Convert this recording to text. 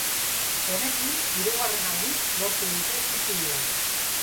Honekin, hirugarren aldiz lortu dute titulu hau.